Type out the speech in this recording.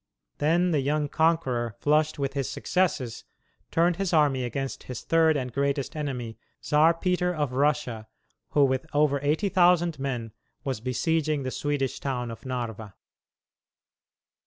Then the young conqueror, flushed with his successes, turned his army against his third and greatest enemy, Czar Peter, of Russia, who, with over eighty thousand men, was besieging the Swedish town of Narva.